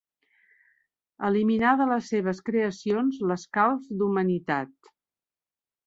Eliminar de les seves creacions, l'escalf d'humanitat